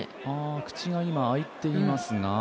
口が開いていますが。